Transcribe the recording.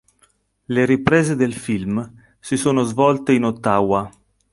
Le riprese del film si sono svolte in Ottawa.